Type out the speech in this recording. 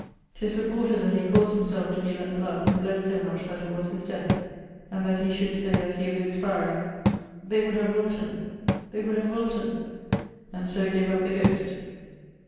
'Tis reported that he caused himself to be lett bloud, and bled so much that it was his death, and that he should say as he was expiring, 'They would have Wilton they would have Wilton,' and so gave up the ghost.